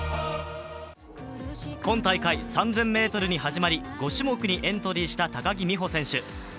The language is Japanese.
今大会３０００ｍに始まり、５種目にエントリーした高木美帆選手。